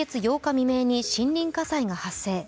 未明に森林火災が発生。